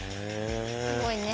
すごいね。